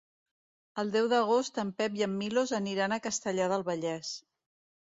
El deu d'agost en Pep i en Milos aniran a Castellar del Vallès.